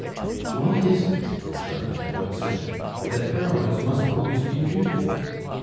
"Why is it," Charlotte had once said, "that heroines must always be beautiful?"